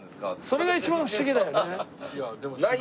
それが一番不思議だよね。